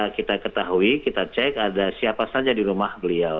kita ketahui kita cek ada siapa saja di rumah beliau